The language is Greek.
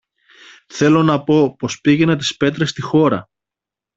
Θέλω να πω, πως πήγαινα τις πέτρες στη χώρα